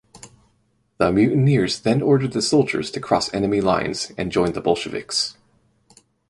The mutineers then ordered the soldiers to cross enemy lines and join the Bolsheviks.